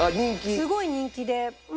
すごい人気で前。